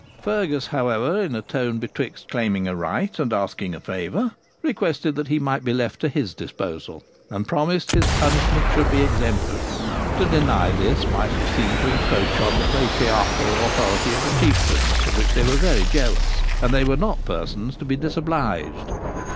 Fergus, however, in a tone betwixt claiming a right and asking a favour, requested he might be left to his disposal, and promised his punishment should be exemplary. To deny this might have seemed to encroach on the patriarchal authority of the Chieftains, of which they were very jealous, and they were not persons to be disobliged.